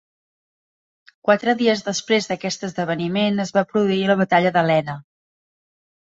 Quatre dies després d'aquest esdeveniment es va produir la Batalla de Lena.